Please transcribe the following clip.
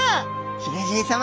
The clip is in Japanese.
ヒゲじい様。